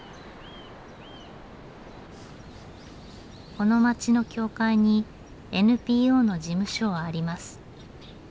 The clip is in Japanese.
この町の教会にＮＰＯの事務所はあります。